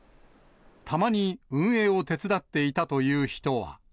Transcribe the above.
たまに運営を手伝っていたという人は。